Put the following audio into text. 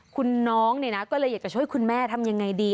คุณน้องเนี่ยนะก็เลยอยากจะช่วยคุณแม่ทำยังไงดี